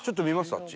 あっち。